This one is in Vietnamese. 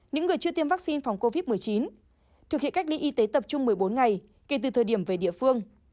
những người chưa tiêm vaccine phòng covid một mươi chín thực hiện cách ly y tế tập trung một mươi bốn ngày kể từ thời điểm về địa phương